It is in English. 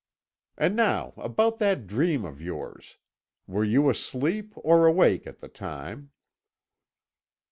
And now about that dream of yours. Were you asleep or awake at the time?"